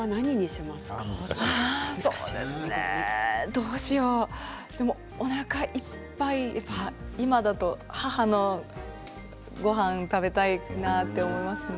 どうしようでもおなかいっぱいのごはんだと母のごはん食べたいかなって思いますね。